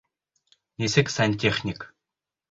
Нисек сантехник?